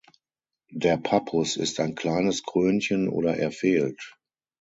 Der Pappus ist ein kleines Krönchen oder er fehlt.